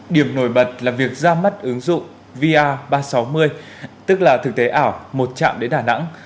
điểm nổi bật là việc ra mắt ứng dụng va ba trăm sáu mươi tức là thực tế ảo một chạm đến đà nẵng